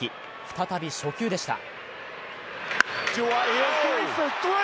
再び初球でした。